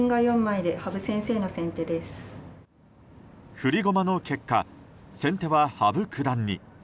振り駒の結果先手は羽生九段に。